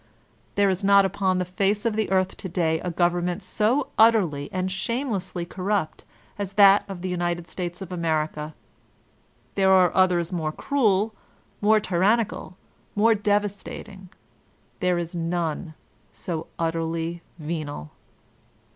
There is not upon the face of the earth to day a government so utterly and shamelessly corrupt as that of the United States of America. There are others more cruel, more tyrannical, more devastating; there is none so utterly venal.